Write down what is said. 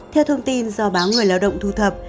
theo thông tin do báo người lao động thu thập